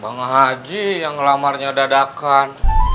bang haji yang ngelamarnya dadakan